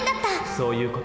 そういう事。